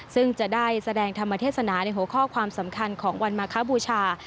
ซึ่งจะได้แสดงธรรมเทศนาในหัวข้อความสำคัญของวันมาคบูชา